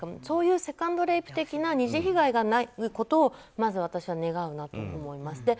そういうセカンドレイプ的な二次被害がないことを願いたいと思います。